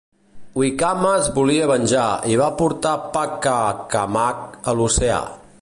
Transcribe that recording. Wichama es volia venjar i va portar Pacha Kamaq a l'oceà.